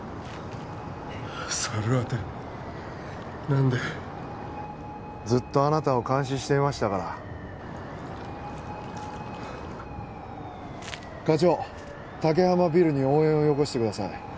何でずっとあなたを監視していましたから課長竹浜ビルに応援をよこしてください